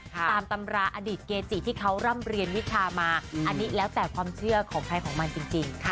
ตามตำราอดีตเกจิที่เขาร่ำเรียนวิชามาอันนี้แล้วแต่ความเชื่อของใครของมันจริง